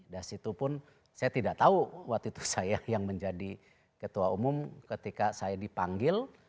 dan situpun saya tidak tahu waktu itu saya yang menjadi ketua umum ketika saya dipanggil